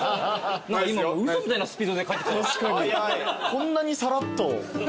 こんなにさらっと。